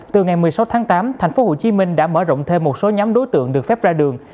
từ ngày một mươi sáu tháng tám tp hcm đã mở rộng thêm một số nhóm đối tượng được phép ra đường